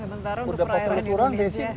sementara untuk perairan indonesia